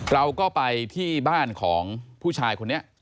เราก็ไปที่บ้านของผู้ชายคนนี้